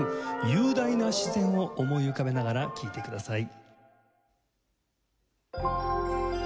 雄大な自然を思い浮かべながら聴いてください。